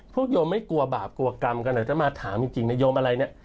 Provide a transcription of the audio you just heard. โยมไม่กลัวบาปกลัวกรรมกันอาจจะมาถามจริงนะโยมอะไรเนี่ย